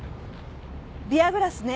ビアグラスね。